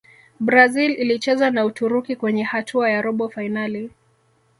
brazil ilicheza na Uturuki kwenye hatua ya robo fainali